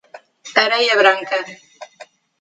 Areia Branca